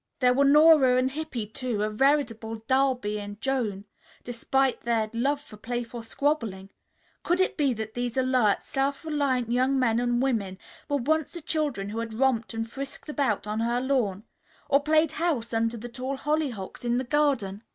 There were Nora and Hippy, too, a veritable Darby and Joan, despite their love for playful squabbling. Could it be that these alert, self reliant young men and women were once the children who had romped and frisked about on her lawn, or played house under the tall hollyhocks in the garden?